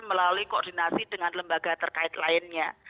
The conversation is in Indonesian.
melalui koordinasi dengan lembaga terkait lainnya